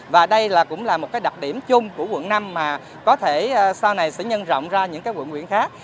và đây cũng là một cái đặc điểm chung của quận năm mà có thể sau này sẽ nhân rộng ra những quận quyện khác